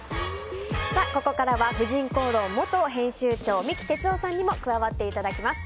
ここからは「婦人公論」元編集長三木哲男さんにも加わっていただきます。